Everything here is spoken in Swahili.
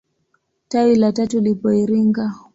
Tawi la tatu lipo Iringa.